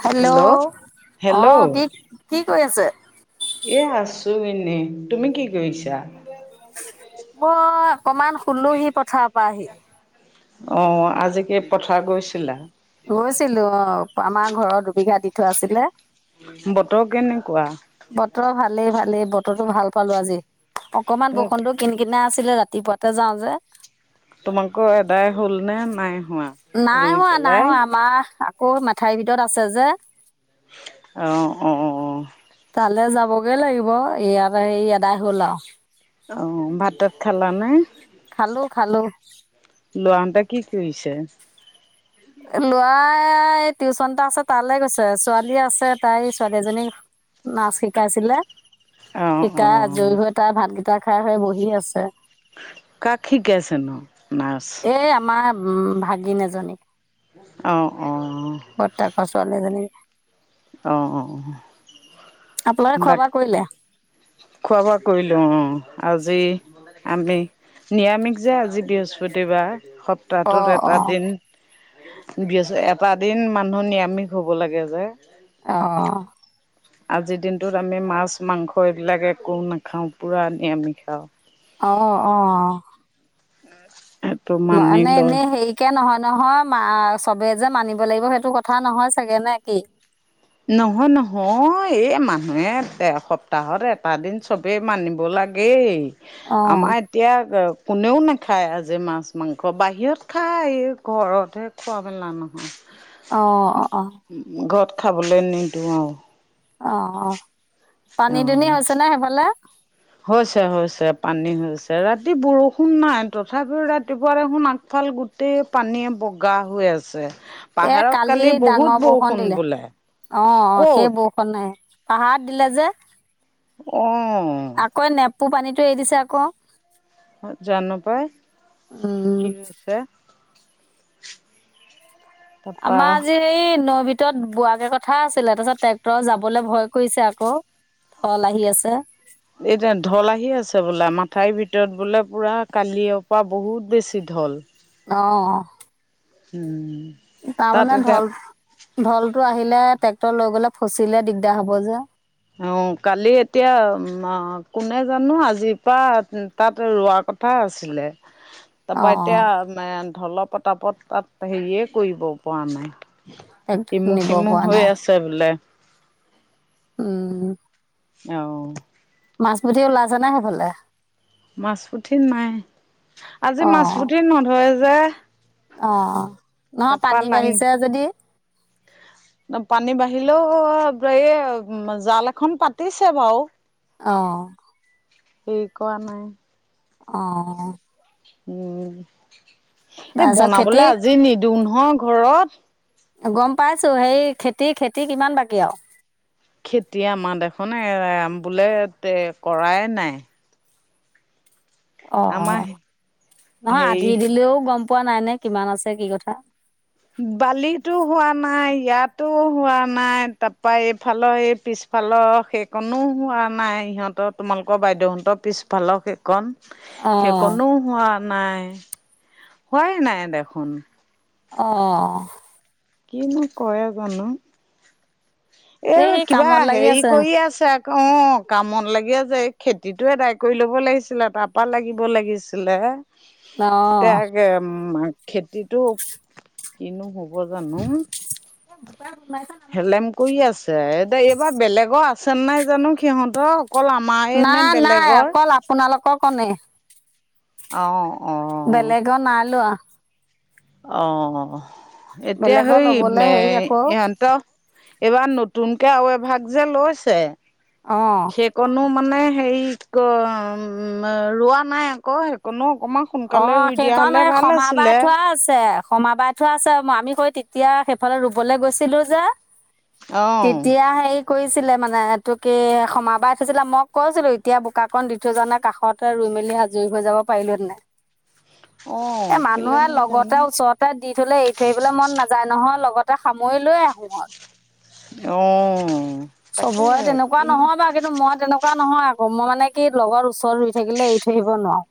Hello hello hello অঁ কি - কি কৈ আছে। এ আছো এনে তুমি কি কৰিছা? মই অকমান শুলোহি পথাৰৰ পা আহি। অঁ আজি কি পথাৰ গৈছিলা? গৈছিলো অঁ আমাৰ ঘৰৰ দুবিঘা দি থোৱা আছিলে। বতৰ কেনেকুৱা? বতৰ ভালেই-ভালেই বতৰটো ভাল পালো আজি অকমান তোমাক বৰষণটো কিন কিনাই আছিলে ৰাতিপুৱাতে যাওঁ যে। তোমালোকৰ এদাই হ'লনে নাই হোৱা? ৰুই নাইোহৱা - পেলাই নাইহোৱা আমা আকৌ মেথাইৰ ভিতৰত আছে যে। অঁ-অঁ। তালে যাবগেই লাগিব এইয়াত এই এদাই হ'ল আও। অঁ ভাত তাত খালানে? খালো-খালো। লৌৱনটোৱে কি কৰিছে? এই লৱাই এই টিউচন এটা আছে তালৈ গৈছে ছোৱালী আছে তাই ছোৱালী এজনীক- নাচ শিকাইছিলে, অ অ শিকাই আজয়ি হৈ তাই ভাতকেইটা খাই হেই বহি আছে। কাক শিকাইছে নো নাছ? এই আমাৰ ভাগিন এজনীক। অঁ অঁ। বট্টাক ছোৱালী এজনী। অ অ আপোনাকে খোৱা বাক বোৱা কৰিলে। খোৱা বোৱা কৰিলোঁ অঁ আজি- আমি নিৰামিষ যে আজি বৃহস্পতিবাৰ সপ্তাহটোত অ', এটা অ', দিন- বিয়চ এটা দিন মানুহ নিৰামিষ হব লাগে যে। অঁ। আজিৰ দিনটোত আমি মাছ মাংস এইগিলাক একো নাখাওঁ পূৰা নিয়ামিষ খাওঁ। অঁ অঁ অ। সেটো মানি লয়। কে নহয় নহয় মা চবে যে মানিব লাগিব সেইটো কথা নহয় চাগে নে কি। নহয় নহয় এই মানুহে তে সপ্তাহত এটা দিন চব- বে মানিব লাগেই, অ', আমাইত- তিয়া এ কোনেও নাখায় আজি মাছ মাংস বাহিৰত খায়, ঘৰতহে- খোৱাবেনা নহয়। অঁ অঁ। ঘৰত খাবলে নিদো আও। অঁ অঁ পানী আৰু দুনি অ হৈছে নে সেইফালে। হৈছে হৈছে পানী হৈছে, ৰাতি বৰষুণ নাই তথাপিও ৰাতিপুৱা দেখোন আগফাল গোট- গোটেই পানীয়ে বগা হৈ আছে। এ পাহাৰত কালি বহুত ডাঙৰ ব‌ৰষণ বৰষুণ দিলে, বোলে অঁ অঁ ক'ত সেই ব- নাই, পাহাৰ দিলে যে। অঁ আকৌ নেপপু পানীটো এৰি দিছে আকৌ। জানো পাই, উম, কিনোচ- ছে- আমা আজি- এই নৈ ভিতৰত বোৱাগে কথা আছিলে তাছত ট্ৰেক্টৰ যাবলে ভয় কৰিছে আক। কল আহি আছে। এই যে ঢল আহি আছে বোলো মাথাইৰ ভিতৰত বোলে পুৰা কালিৰ পৰা বহুত বেছি ঢল। অঁ উম তাত তাৰমানে এতিয়া ঢল ঢলটো আহিলে ট্ৰেক্টৰ লৈ গলে ফচিলে দিগদাৰ হব যে। অ কালি এতিয়া কোনে জানো আজিৰ পা- তাত ৰোৱা কথা আছিলে। অ তাপা এতিয়া ঢল পতাপত তাত হেৰিয়ে কৰিব পৰা নাই। ট্ৰেক্টৰ ইমু নিব খিমু পৰা হৈ নাই আছে বোলে। উম অঁ মাছ পুঠি ওলাইছে নে সেইফালে- মাছ পুঠি নাই আজি মাছ পুঠি নধৰে যে। অঁ তাপা লাং- পানী বাঢ়িলেও এই জাল এখন পাতিছে বাও। অঁ। হেৰি কৰা নাই৷ অ উম এই তাৰপিছত খেতি বনাবলে আজি নিদিওঁ নহয় ঘৰত৷ গম পাইছো হেই খেত- খেতি কিমান বাকী আৰু? খেতি আমাৰ দেখোন বোলে কৰাই নাই৷ অ আমাৰ নহয় হেৰি আধি দিলেও গম পোৱা নাই নে কিমান আছে কি কথা৷ বালিটো হোৱা নাই ইয়াতো হোৱা নাই তাপা এইফালৰ এই পিছ ফালৰ সেইকণো হোৱা নাই সিহঁতৰ তোমালোকৰ বাইদেউহঁতৰ পিছফালৰ সেই কণ অ', সেইকণো হোৱা নাই হোৱাই নাই দেখোন৷ অঁ কিনো কৰে জানো! এই কিবা কামত লাগি হেৰি আছে কৰি আছে অ কামত লাগি আছে এই খেতিটো আদায় কৰি ল'ব লাগিছিলে তাপা লাগিব লাগিছিলে৷ অ তাকে মা খেতিটো কিনো হব৷ হব জানো হেলেম কৰি আছে এ এইবাৰ বেলেগৰ আছে নাই জানো সিহঁতৰ৷ অকল আমাৰ নে নাই নাই বেলেগৰ৷ অকল আপোনালোকৰ কনে৷ অ-অ বেলেগৰ নাই লোৱা৷ অ এতিয়া বেলেগৰ সেই ল'বলৈ হেৰি আকৌ ইহঁতৰ এইবাৰ নতুনকে আৰু এভাগ যে লৈছে অ সেইকণো মানে হেৰি ৰোৱা নাই আকৌ সেইকণো অকণমান অ' সেইখন এই ক্ষা বাৰ থোৱা আছে৷ খমাবাই থোৱা আছে আমি কৈ তেতিয়া সেইফালে ৰুবলৈ গৈছিলো যে অ তেতিয়া এই কৰিছিলে মানে এইটো কি সমাবাই থৈছিলে মই কৈছিলো এতিয়া বোকাকণ দি থৈ যোৱা নাই কাষত ত ৰুই মেলি আজৰি হৈ যাব পাৰিলো তেনে৷ অ এ মানুহে কেলেনো লগতে জানো ওচৰত তাত দি থলে এৰি থৈ আহিবলৈ মন নাযায় নহয় লগতে সামৰি লৈ আহোঁ মই৷ অ তাকে চবৰে তেনেকুৱা কিনো নহয় বা কিন্তু মই তেনেকুৱা এনেকুৱা নহয় আকৌ মই মানে কি লগৰ ওচৰত ৰুই থাকিলে এৰি থৈ আহিব নোৱাৰো৷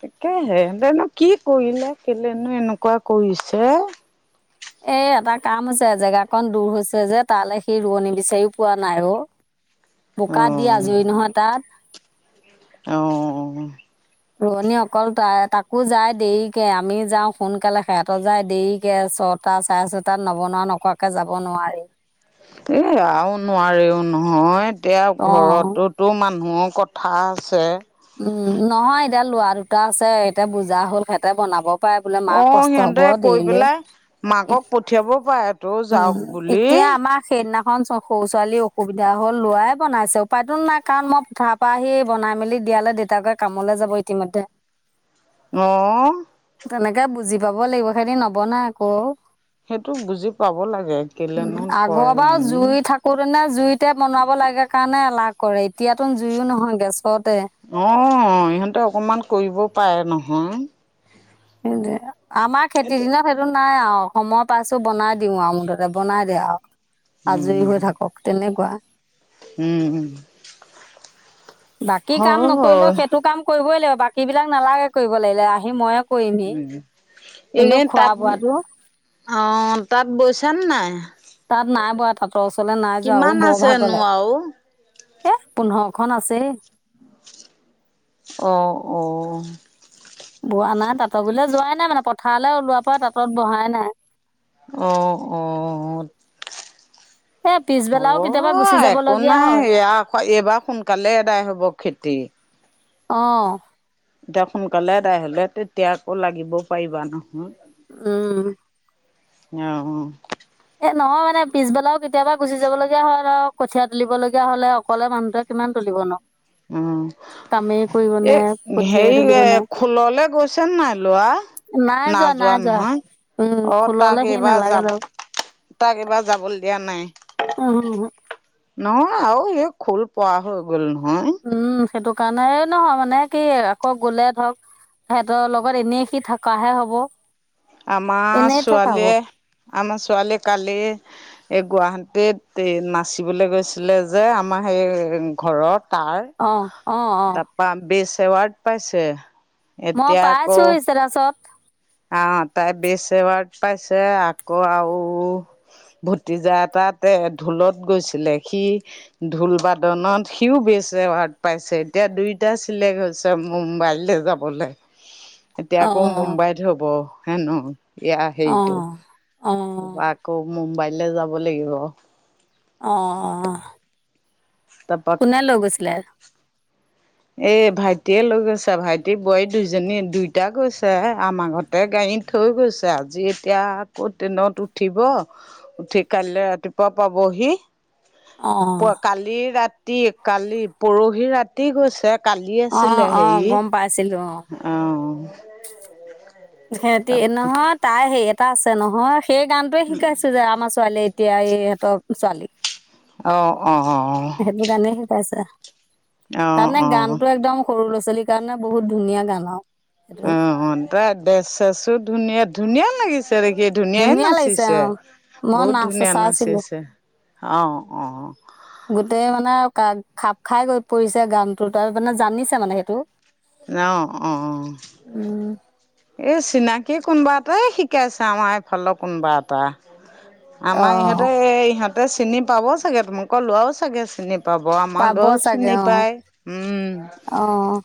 তাকেহে হেহঁতেনো কি কৰিলে, কেলেনো এনেকুৱা কৰিছে। এ, এটা কাম হৈছে জেগাাকন দূৰ হৈছে যে তালৈ সি ৰোৱনী বিচাৰিও পোৱা নাই অ। বোকাত দিয়া অ', আজুৰি নহয় তাত। অঁ। ৰোৱনি অকল তাই তাকো যায় দেৰিকে আমি যাওঁ সোনকালে সিহঁতৰ যায় দেৰিকে চত তাত চাই আছো তাত নবনা নকোৱাকে যাব নোৱাৰি। এ, আৰু নোৱাৰেও নহয় এতিয়া অ ঘৰতো তো মানুহৰ কথা আছে। উম, নহয় এতিয়া লৰা দুটা আছে এতিয়া বুজা হ'ল সিহঁতে বনাব পাই বোলে মাৰ অ', কষ্ট হব সিহঁতে কৈ দেৰিলে। পেলাই মাকক ইত- পঠিয়াব পাৰে তো উম যাওক বুলি। এতিয়া আমাৰ সেইদিনাখন সৰু ছোৱালী অসুবিধা হ'ল লৱাই বনাইছে উপায়তো নাই কাৰণ মই পঠাৰ পৰা আহি বনাই মেলি দিয়ালৈ দেউতাকে কামলৈ যাব ইতিমধ্যে। অঁ। তেনেকে বুজি পাব লাগিব, সেতি নবনাই আকৌ। সেইটো বুজি পাব লাগে উম, কেলেনো কয় আগৰ বাৰু মানো। জুই জুইতে বনাব লাগে কাৰণে এলাহ কৰে, এতিয়াতো জুইও নহয় গেছতে। অঁ, ইহঁতে অকণমান কৰিব পাৰে নহয়। সেই আমাৰ খেতিৰ দিনত, সেইটো নাই আৰু সময় পাইছো বনাই দিও আৰু মুঠতে বনাই দে আৰু আজৰি হৈ থাকক তেনেকুৱা। উম উম। বাকী কাম নকৰিলেও হয়। সেইটো কাম কৰিবই লাগিব, বাকী বিলাক নালাগে কৰিব লাগিলে আহি মই কৰিমহি উম। কিন্তু এইকেইদিন খোৱা তাঁত বোৱাটো। অ' তাত বৈছা নে নাই? তাত নাই বোৱা তাঁতৰ ওচৰলৈ নাই যোৱা আৰু কিমান বৰ ভাগৰ আছেনো লাগে। আৰু? এ, পোন্ধৰ খন আছেই। অ অ, বোৱা নাই তাঁত গিললে যোৱাই নাই, মানে পথাৰলৈ ওলোৱাৰ পৰা তাঁত বহাই নাই। অ অ, হে পিছবেলাও কেতিয়াবা। গুচি অ' একো যাবলগীয়া নাই হয় এইবাৰ সোনকালেই এদায় হ'ব খেতি। অ এতিয়া সোনকালে এদাই হলে তেতিয়া আকৌ লাগিবও পাৰিবা নহয়। উম, অঁ অঁ। এ, নহয় মানে পিছবেলাও কেতিয়াবা গুচি যাবলগীয়া হ'ল আৰু কঠীয়াা তুলিবলগীয়া হলে অকলে মানুহটোৱে, কিমান তুলিব নো। উম, এ কঠিয়াই হেৰি তুলিব এ নে খোললে গৈছে নে নাই লৰা। নাই যোৱা নাযোৱা নাই যোৱা নহয়, উম অ খোললে তাক সি এইবাৰ নালাগে যাম যাব তাক এইবাৰ যাবলৈ দিয়া নাই। অ হ হা, নহয় আৰু স খোল পোৱা হৈ গ'ল নহয়। উম, সেইটো কাৰণে নহয় মানে কি। আক গ'লে ধৰক সিহঁতৰ লগত এনেই সি থকাহে হব। আমাৰ এনেই থকা হ'ব ছোৱালীয়ে, আমাৰ ছোৱালীয়ে কালি। এই গুৱাহাটীত এই নাচিবলৈ গৈছিলে যে আমাৰ সেই ঘৰত। তাৰ অ অ অ তাৰপা বেচ এৱাৰ্ড পাইছে। মই এতিয়া আকৌ পাইছো ইচতাচত। আহ, তাই বেছ এৱ্ড পাইছে আকৌ আৰু ভতিজা এটাতে ঢোলত গৈছিলে সি, ঢোল বাদনত সিও বেছ এৱাৰ্ড পাইছে এতিয়া দুইটা চিলেক্ট হৈছে। মুম্বাইলৈ যাবলে এতিয়া অ আকৌ মুম্বাইত হব হেনো। এয়া অ হেৰিতটো অ তাপা আকৌ মুম্বাইলৈ যাব লাগিব। অ অ, তাপা কোনে লৈগৈছিলে। এ ভাইটিয়ে লৈ গৈছে ভাইটি বোৱাৰী দুইজনী দুইটা গৈছে আমাৰ ঘৰত, তাতে গাড়ীত থৈ গৈছে আজি এতিয়া আকৌ ট্ৰেইনত উঠিব। উঠি কাইলৈ ৰাতিপুৱা পাবহি। অ প কালি ৰাতি কালি পৰহি ৰাতি গৈছে কালি। অ অ গম পাইছিলো অ, অ সিহতি নহয় তাই হে এটা আছে নহয় সেই গানটোৱে শিকাইছো যে আমাৰ ছোৱালীয়ে। এতিয়া ইহঁতৰ ছোৱালী। অঁ অঁ অঁ সেইটো গানেই শিকাইছে, তাৰমানে অ অ গানতটো একদম- সৰু লৰা ছোৱালীৰ কাৰণে বহুত ধুনীয়া গান আৰু। সেইটো অঁ তই ড্ৰেছ চেচো ধুনীয়া ধুনীয়া লাগিছে। কি ধুনীয়ে ধুনীয়া লাগিছে নাচিছে। অঁ মই বহুত নাচ ধুনীয়া চাইছিলোঁ নাচিছে অঁ অঁ। গোটেই মানে খাপ খাই গৈ পৰিছে, গানটো তাৰ মানে জানিছে মানে সেইটো- অঁ অঁ অঁ উম এই চিনাকি কোনোবা এটাই শিকাইছে, আমাৰ এইফালৰ কোনোবা এটা- আমাৰ অঁ ইহঁতে ইহঁতে চিনি পাব চাগে, তোমোকৌ লোৱাও চাগে চিনি প- পাব আমাৰ পাব লৰাওঁ চাগে চিনি অঁ পায়, উম অঁ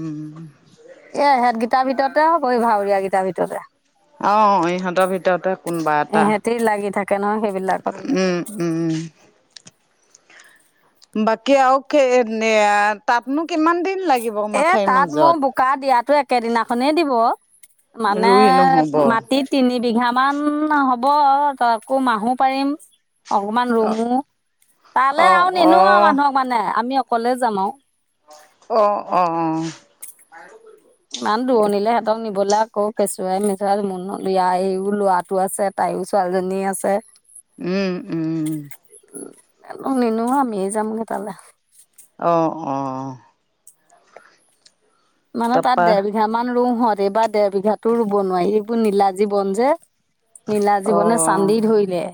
উম। এহঁত গেইটাৰ ভিতৰতে হ কৰি ভাৱউৰিয়া গিইটাৰ ভিতৰতে। অঁ ইহঁতৰ ভিতৰতে কোনবা এটা। এহেঁতি লাগি থাকে নহয়। সেইবিলাকত উম উম উম। বাকী আৰু এ তাতনো কিমান দিন লাগিব এ মাথাাইৰ তাত মোৰ মাজত। বোকা দিয়াতো একেদিনাখনেই দিব, মানে ৰুই নহ'ব। মাটিত- তিনি বিঘা মান হ'ব আকৌ মাহো পাৰিম। অকমান অ ৰুমো, তালৈ আৰু নিনো আৰু অ মানুহক মানে আমি অকলে যাম আও। অঁ অঁ অঁ আৰু কৰিব [unintelligible] ইমান দূৰণিলে সিহঁতক নিবলৈ আকৌ কেঁচুৱাই মেচুযৱাই এইও লৰাটো আছে। তাইয়ো ছোৱালীজনী আছে। উম উম। নিনো আমি যামগে তালে। অঁ অঁ। মানে তাত তাৰপা ডেৰ বিঘা মান ৰোহঁত এইবাৰ দেৰ বিঘাতো ৰুব নোৱাৰি সেইবোৰ নীলাজীবন যে। অ নীলাজি বনে চান্দি ধৰিলে।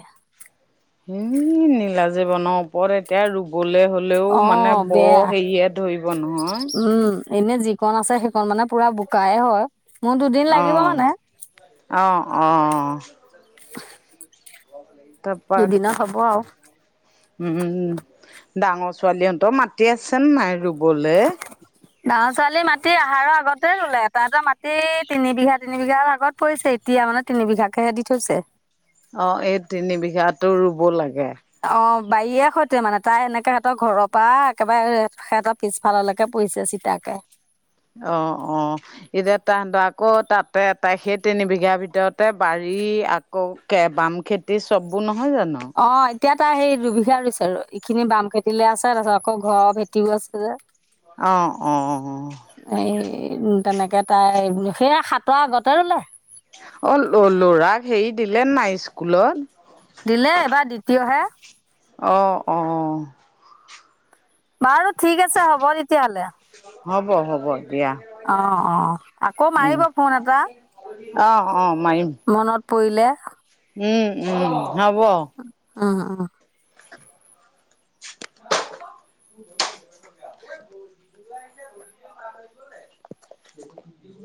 উমও নীলাজি বন ওপৰে- এতিয়া ৰুবলৈ হ'লেও অ মানে বেয়া বৰ হেৰিয়ে ধৰিব নহয়। উম, এনে যিকণ আছে সেইক মানে পুৰা বোকাই হয়। মোৰ দুদিন লাগিব অঁ মানে। অঁ অঁ। তপাক- দুদিনত হ'ব আৰু। উম ডাঙৰ ছোৱালীহঁতৰও মাতি আছে নাই ৰুবলে। গাঁও ছোৱালী মাটি আহাৰৰ আগতে ৰুলে, এটা এটা মাটি তিনি বিঘা তিনি বিঘাৰ আগত- পৰিছে, এতিয়া মানে তিন বিঘাকেহে দি থৈছে। অঁ এই তিনি বিঘাতো ৰুব লাগে। অঁ বাৰীয়ে সৈতে মানে তাই এনেকা সেহতৰ ঘৰৰ পৰা একেবাৰে সেহতৰ- পিছফাললৈকে পৰিছে চিতাকে। অঁ অঁ। এতিয়া তাহাঁতৰ আকৌ তাতে তাই সেই তিন বিঘাৰ ভিতৰতে বাৰী আকৌ বাম খেতি চববোৰ নহয় জানো। অঁ এতিয়া তা সেই দুবিঘা ৰুইছে আৰু এইখিনি বাম খেতিলে আছে তাৰপিছত আকৌ ঘৰৰ ভেটিও আছে যে। অঁ অঁ। এই তেনেকে তাই সেইয়া সাতৰ আগতে ৰুলে। অ ল'ৰাক হেৰি দিলে নাই স্কুলত। দিলে এইবাৰ দ্বিতীয়হে। অ অ। বাৰু ঠিক আছে হ'ব তেতিয়াহ'লে। হ'ব, হ'ব, দিয়া। অ'! অ'! আকৌ, উম, মাৰিব ফোন এটা? অ', অ', মাৰিম মনত পৰিলে। উম! উম! হ'ব। অ' অ'! [unintelligible] [unintelligible]